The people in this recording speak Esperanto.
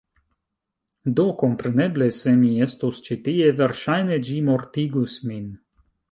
Do kompreneble, se mi estus ĉi tie, verŝajne ĝi mortigus min.